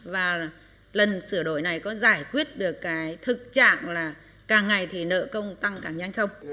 và lần sửa đổi này có giải quyết được cái thực trạng là càng ngày thì nợ công tăng càng nhanh không